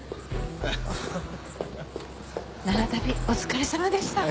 長旅お疲れさまでした。